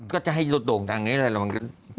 ก็จะให้หยดโด่งอยู่บ้าน